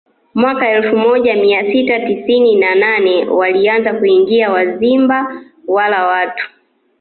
Mwaka elfu moja mia sita tisini na nane walianza kuingia Wazimba wala watu